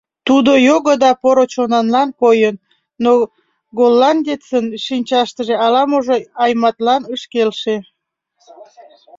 Тудо його да поро чонанла койын, но голландецын шинчаштыже ала-можо Айматлан ыш келше.